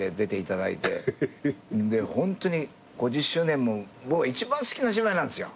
でホントに５０周年も僕一番好きな芝居なんですよ